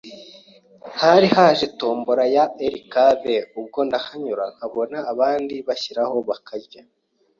hari haraje Tombola ya LKV, ubwo ndahanyura, nkabona abandi bashyiraho bakarya